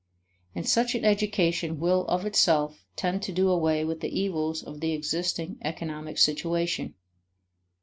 And such an education will of itself tend to do away with the evils of the existing economic situation.